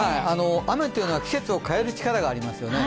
雨というのは季節を変える力がありますよね